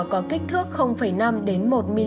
có kích thước năm đến một mm